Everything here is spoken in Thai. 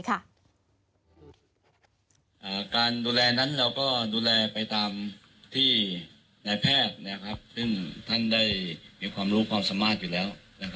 การดูแลนั้นเราก็ดูแลไปตามที่นายแพทย์ซึ่งท่านได้มีความรู้ความสามารถอยู่แล้ว